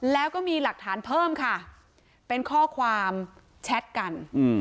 แล้วก็มีหลักฐานเพิ่มค่ะเป็นข้อความแชทกัน